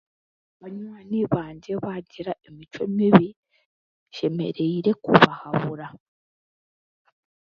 Banywani bangye baagira emicwe mibi nshemereire kubahabura.